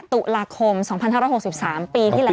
ตุลาคม๒๕๖๓ปีที่แล้ว